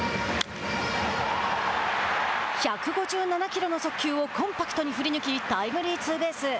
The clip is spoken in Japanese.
１５７キロの速球をコンパクトに振り抜きタイムリーツーベース。